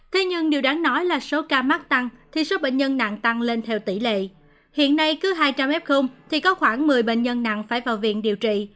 thế nhưng điều đáng nói là số ca mắc tăng thì số bệnh nhân nặng tăng lên theo tỷ lệ hiện nay cứ hai trăm linh f thì có khoảng một mươi bệnh nhân nặng phải vào viện điều trị